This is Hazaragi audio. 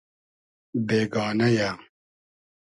بېگانۂ یۂ